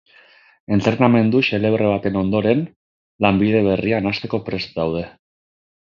Entrenamendu xelebre baten ondoren, lanbide berrian hasteko prest daude.